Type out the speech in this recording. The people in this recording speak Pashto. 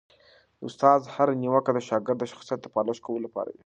د استاد هره نیوکه د شاګرد د شخصیت د پالش کولو لپاره وي.